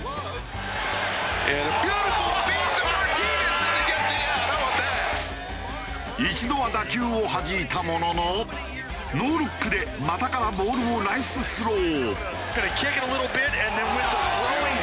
続いては一度は打球をはじいたもののノールックで股からボールをナイススロー。